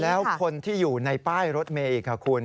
แล้วคนที่อยู่ในป้ายรถเมย์อีกค่ะคุณ